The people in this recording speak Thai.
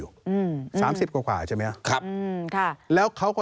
แล้วที่ไม่พบล่ะครับ